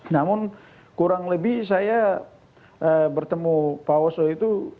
namun kurang lebih saya bertemu pak oso itu